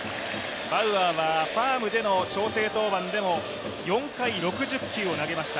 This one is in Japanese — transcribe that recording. バウアーはファームでの調整登板でも４回６０球を投げました。